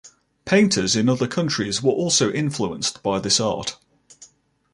Painters in other countries were also influenced by this art.